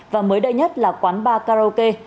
và mới đây nhất là quán bar karaoke